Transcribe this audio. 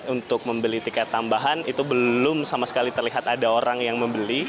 untuk membeli tiket tambahan itu belum sama sekali terlihat ada orang yang membeli